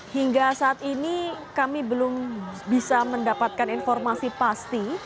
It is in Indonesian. hingga saat ini kami belum bisa mendapatkan informasi pasti